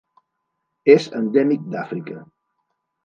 És endèmic d'Àfrica.